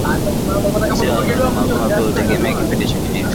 msimu wa mavuno pia hutegemea kipindi cha kilimo